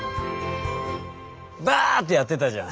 「ばあ」ってやってたじゃん。